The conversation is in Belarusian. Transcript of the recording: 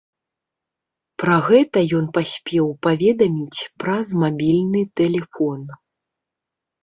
Пра гэта ён паспеў паведаміць праз мабільны тэлефон.